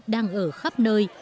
đang ở khắp nơi